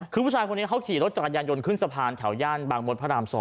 คือผู้ชายคนนี้เขาขี่รถจักรยานยนต์ขึ้นสะพานแถวย่านบางมดพระราม๒